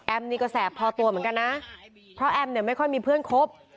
นี่ก็แสบพอตัวเหมือนกันนะเพราะแอมเนี่ยไม่ค่อยมีเพื่อนคบ